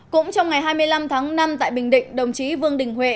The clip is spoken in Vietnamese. cũng trong ngày hai mươi năm tháng năm tại bình định đồng chí vương đình huệ